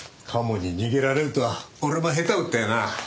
カモに逃げられるとは俺も下手打ったよな。